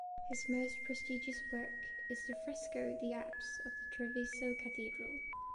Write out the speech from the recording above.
His most prestigious work is the fresco the apse of the Treviso Cathedral.